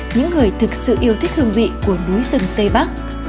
những người thực sự yêu thích hương vị của núi rừng tây bắc